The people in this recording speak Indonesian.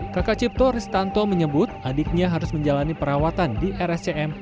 kakak cipto ristanto menyebut adiknya harus menjalani perawatan di rscm